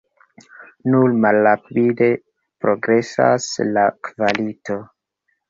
Nur malrapide progresas la kvalito.